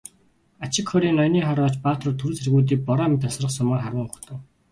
Ачигхори ноёны харваач баатрууд түрэг цэргүүдийг бороо мэт асгарах сумаар харван угтав.